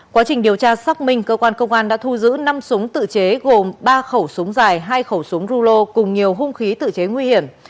quá trình điều tra xác minh cơ quan công an đã thu giữ năm súng tự chế gồm ba khẩu súng dài hai khẩu súng rulo cùng nhiều hung khí tự chế nguy hiểm